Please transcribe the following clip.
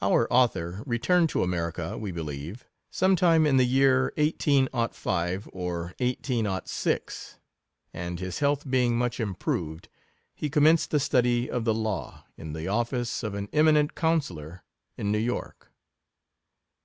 Our author returned to America, we be lieve, some time in the year 1805 or 1806 ; and his health being much improved, he commenced the study of the law, in the of fice of an eminent counsellor in New York.